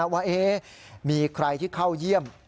ว่ามีใครที่เข้าเยี่ยม